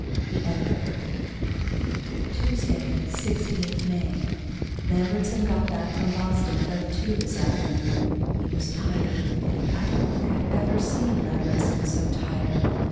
The Editor.) Tuesday, 16 May. Lambertson got back from Boston about two this afternoon. He was tired; I don't think I've ever seen Lambertson so tired.